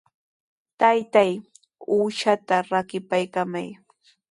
Taytay, uushaata rakipaykamay.